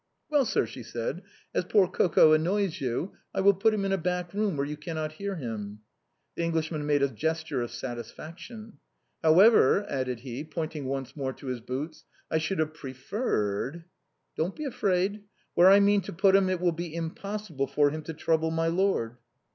" Well, sir," she said, " as poor Coco annoys you, I will put him in a back room, where you cannot hear him." The Englishman made a gesture of satisfaction, " However," added he, pointing once more to his boots, " I should have preferred —"" Don't be afraid. Where I mean to put him it will be impossible for him to trouble milord."